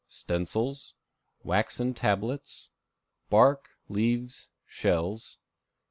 Stencils. Waxen Tablets. Bark, Leaves, Shells.